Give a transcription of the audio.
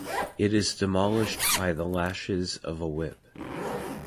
It is demolished by the lashes of a whip.